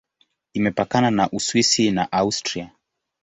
Imepakana na Uswisi na Austria.